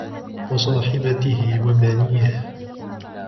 وَصَاحِبَتِهِ وَبَنِيهِ